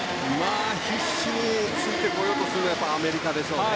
必死についてこようとするアメリカですね。